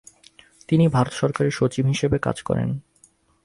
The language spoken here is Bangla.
তিনি ভারত সরকারের সচিব হিসেবে কাজ করেন।